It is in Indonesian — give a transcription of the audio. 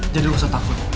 jadi lo gak usah takut